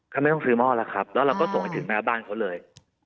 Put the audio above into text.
เขาไม่ต้องซื้อหม้อแล้วครับแล้วเราก็ส่งไปถึงหน้าบ้านเขาเลย